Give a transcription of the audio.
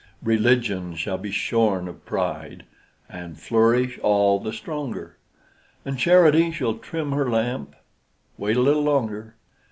Religion shall be shorn of pride, And flourish all the stronger; And Charity shall trim her lamp; Wait a little longer.